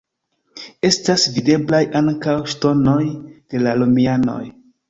Estas videblaj ankaŭ ŝtonoj de la romianoj.